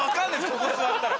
ここ座ったら。